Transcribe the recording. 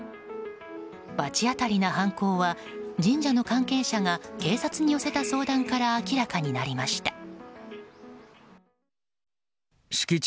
罰当たりな犯行は神社の関係者が警察に寄せた相談から明らかになりました。